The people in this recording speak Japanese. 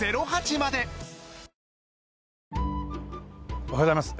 おはようございます。